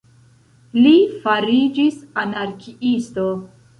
Li fariĝis anarkiisto.